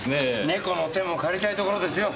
猫の手も借りたいところですよ。